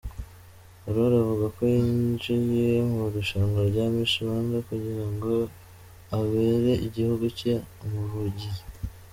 Aurore avuga ko yinjiye mu irushanwa rya Miss Rwanda kugirango abere igihugu cye umuvugizi.